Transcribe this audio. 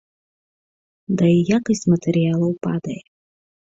Да і якасць матэрыялаў падае.